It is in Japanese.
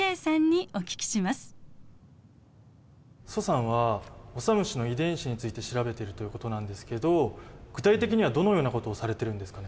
蘇さんはオサムシの遺伝子について調べているということなんですけど具体的にはどのようなことをされているんですかね？